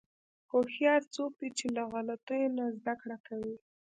هوښیار څوک دی چې له غلطیو نه زدهکړه کوي.